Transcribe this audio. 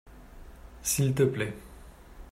S’il te plait.